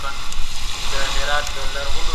که درسي مواد برابر سي نو زده کړه نه سستېږي.